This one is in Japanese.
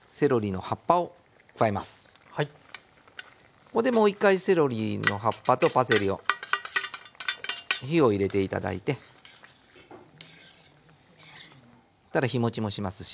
ここでもう一回セロリの葉っぱとパセリを火を入れて頂いてたら日もちもしますし。